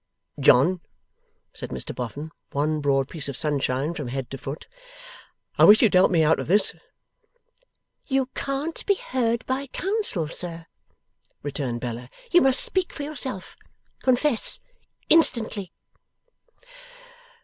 'John,' said Mr Boffin, one broad piece of sunshine from head to foot, 'I wish you'd help me out of this.' 'You can't be heard by counsel, sir,' returned Bella. 'You must speak for yourself. Confess instantly!